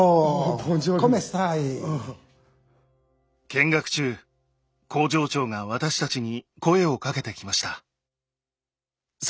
見学中工場長が私たちに声をかけてきました。